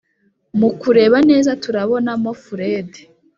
mukureba neza turabona mo furedi